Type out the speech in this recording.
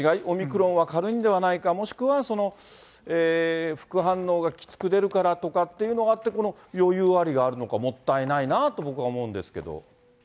オミクロンは軽いんではないか、もしくは副反応がきつく出るからとかっていうのが、この余裕ありがあるのか、もったいないなと僕は思うんですけど。